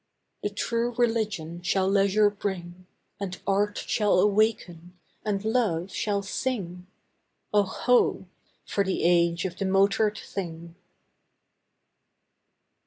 The True Religion shall leisure bring; And Art shall awaken and Love shall sing: Oh, ho! for the age of the motored thing!